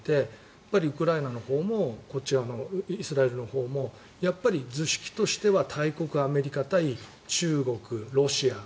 やっぱりウクライナのほうもこっち側のイスラエルのほうもやっぱり図式としては大国アメリカ対中国、ロシア。